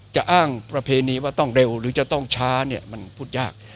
จะอ้างประเพณีว่าต้องเร็วหรือจะต้องช้าเนี่ยมันพูดยาก